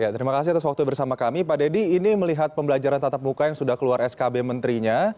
terima kasih atas waktu bersama kami pak deddy ini melihat pembelajaran tatap muka yang sudah keluar skb menterinya